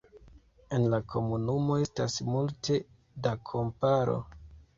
En la komunumo estas multe da kamparo.